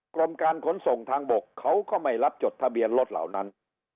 กรมการขนส่งทางบกเขาก็ไม่รับจดทะเบียนรถเหล่านั้น